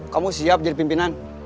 kamu siap jadi pimpinan